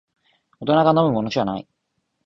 大人が飲むものじゃない